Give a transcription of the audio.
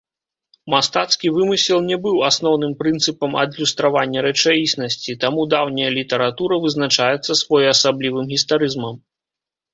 Мастацкі вымысел не быў асноўным прынцыпам адлюстравання рэчаіснасці, таму даўняя літаратура вызначаецца своеасаблівым гістарызмам.